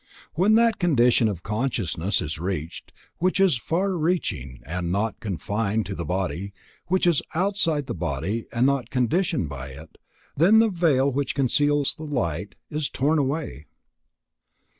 When that condition of consciousness is reached, which is far reaching and not confined to the body, which is outside the body and not conditioned by it, then the veil which conceals the light is worn away.